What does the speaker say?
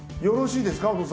よろしいですか？